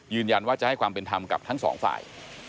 ยืนยันว่าจะให้ความเป็นธรรมกับทั้งสองฝ่าย